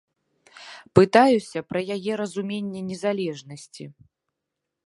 Пытаюся пра яе разуменне незалежнасці.